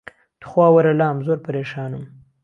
توخوا وەرە لام زۆر پەرێشانم